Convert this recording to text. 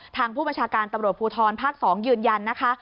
ทางผู้บัญชาการตำรวจภูทรภาค๒ยืนยันนะคะ